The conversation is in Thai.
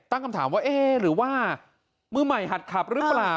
ตั้งคำถามว่าเอ๊ะหรือว่ามือใหม่หัดขับหรือเปล่า